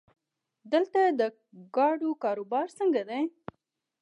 دلته د ګاډو کاروبار څنګه دی؟